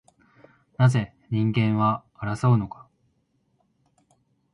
なぜ人間は争うのか